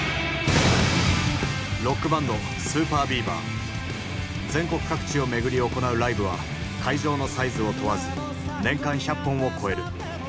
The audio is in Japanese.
ロックバンド全国各地を巡り行うライブは会場のサイズを問わず年間１００本を超える。